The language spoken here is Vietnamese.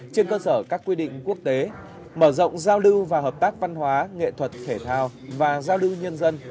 trên cơ sở các quy định quốc tế mở rộng giao lưu và hợp tác văn hóa nghệ thuật thể thao và giao lưu nhân dân